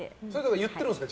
言ってるんですか？